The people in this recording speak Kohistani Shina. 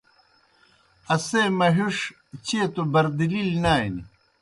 اسے مہِݜ چیئے توْ بردِلیْ نانیْ۔